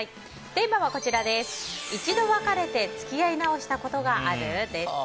テーマは一度別れて付き合い直したことがある？です。